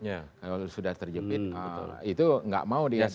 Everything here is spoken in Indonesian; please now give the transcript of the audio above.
kalau sudah terjepit itu tidak mau dihiasi